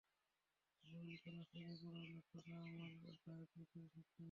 আমি উল্কার আছড়ে পড়ার ক্ষণটা আমার ডায়েট অ্যাপে সেট করেছি।